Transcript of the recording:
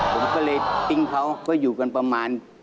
ผมก็เลยติ้งเขาก็อยู่กันประมาณ